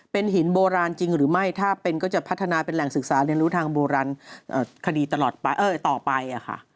เป็นหินโบราณจริงหรือไม่ถ้าเป็นก็จะพัฒนาเป็นแหล่งศึกษาเรียนรู้ทางโบราณคดีตลอดไปต่อไป